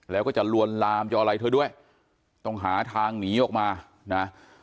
แล้วก็จะลวนลามจะอะไรเธอด้วยต้องหาทางหนีออกมานะ